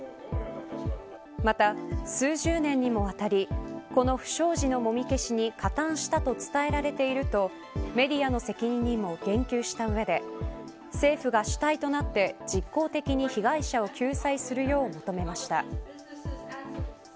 また、数十年にもわたりこの不祥事のもみ消しに加担したと伝えられているとメディアの責任にも言及した上で政府が主体となって実効的に被害者を救済するよう求めました。